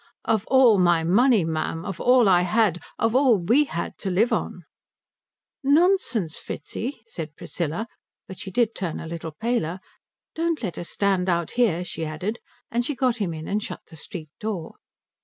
"Of all my money, ma'am. Of all I had of all we had to live on." "Nonsense, Fritzi," said Priscilla; but she did turn a little paler. "Don't let us stand out here," she added; and she got him in and shut the street door.